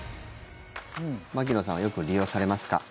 牧野さんはよく利用されますか？